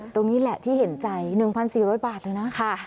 ตรงนี้แหละที่เห็นใจ๑๔๐๐บาทเลยนะ